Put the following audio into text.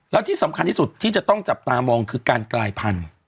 แล้วที่สำคัญที่สุดที่จะต้องจับตามองคือการกลายพันธุ์